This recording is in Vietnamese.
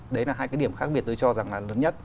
đấy là hai cái điểm khác biệt tôi cho rằng là lớn nhất